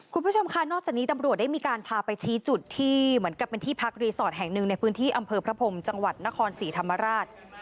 คุณผู้ชมค่ะนอกจากนี้ตำรวจได้มีการพาไปชี้จุดที่เหมือนกับเป็นที่พักรีสอร์ทแห่งหนึ่งในพื้นที่อำเภอพระพรมจังหวัดนครศรีธรรมราช